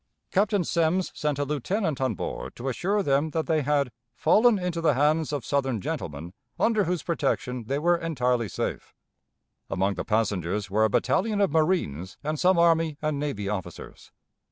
Captain Semmes sent a lieutenant on board to assure them that they had "fallen into the hands of Southern gentlemen, under whose protection the were entirely safe." Among the passengers were a battalion of marines and some army and navy officers.